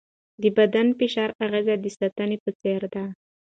د بدن فشار اغېز د ستنې په څېر دی.